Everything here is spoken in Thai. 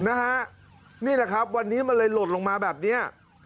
นี่แหละครับวันนี้มันเลยหล่นลงมาแบบนี้